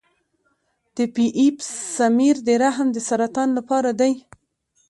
د پی ایپ سمیر د رحم د سرطان لپاره دی.